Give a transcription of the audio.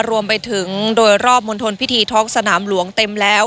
รวมไปถึงโดยรอบมณฑลพิธีท้องสนามหลวงเต็มแล้ว